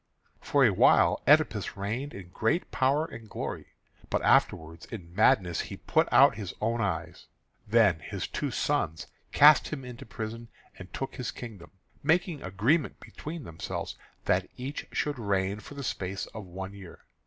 For a while Oedipus reigned in great power and glory; but afterwards in madness he put out his own eyes. Then his two sons cast him into prison, and took his kingdom, making agreement between themselves that each should reign for the space of one year.